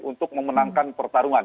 untuk memenangkan pertarungan